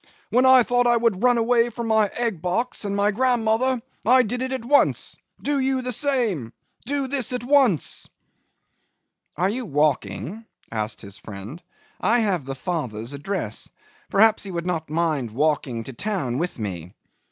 When I thought I would run away from my egg box and my grandmother, I did it at once. Do you the same. Do this at once!' 'Are you walking?' asked his friend. 'I have the father's address. Perhaps you would not mind walking to town with me?